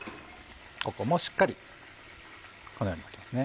ここもしっかりこのように巻きますね